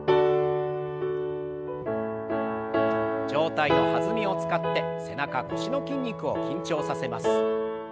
上体の弾みを使って背中腰の筋肉を緊張させます。